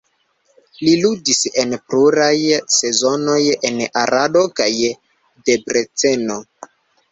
Li ludis en pluraj sezonoj en Arado kaj Debreceno.